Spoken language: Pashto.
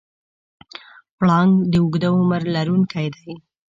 پړانګ د اوږده عمر لرونکی دی.